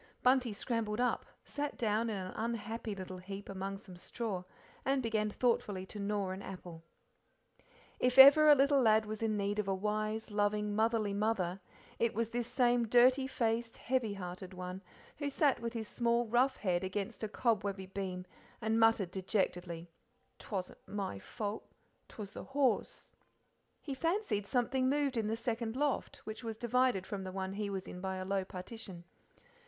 Bunty scrambled up, sat down in an unhappy little heap among some straw, and began thoughtfully to gnaw an apple. If ever a little lad was in need of a wise loving, motherly mother it was this same dirty faced, heavyhearted one who sat with his small rough head against a cobwebby beam and muttered dejectedly, "'Twasn't my fault: 'Twas the horse:" He fancied something moved in the second loft, which was divided from the one he was in by a low partition.